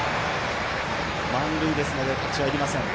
満塁ですのでタッチはいりません。